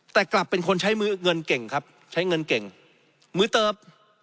แต่กลับเป็นคนใช้มือเงินเก่งครับใช้เงินเก่งมือเติบ